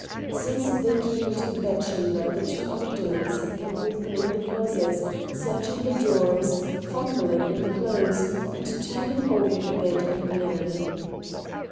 Since they came into the bedchamber the two underlings had been opening the closets, searching the drawers, fumbling in the clothes, and turning over the bed and linen.